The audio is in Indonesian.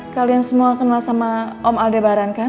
kalian semua kenal sama om aldebaran kan